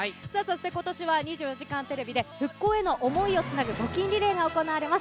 今年は『２４時間テレビ』で「復興への想いをつなぐ募金リレー」が行われます。